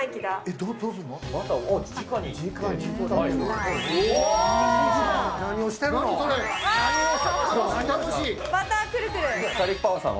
どうすんの？